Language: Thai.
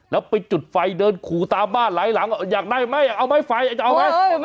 แล้วไปจุดไฟเดินขู่ตามบ้านหลายหลังอยากได้ไหมเอาไหมไฟจะเอาไหม